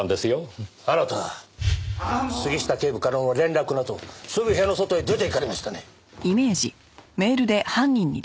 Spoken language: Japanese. あなた杉下警部からの連絡のあとすぐ部屋の外へ出ていかれましたね。